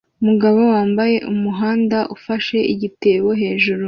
Umugabo yambutse umuhanda ufashe igitebo hejuru